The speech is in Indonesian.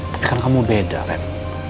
tapi kan kamu beda ren